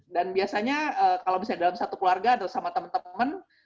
dan biasanya kalau misalnya dalam satu keluarga atau sama temen temen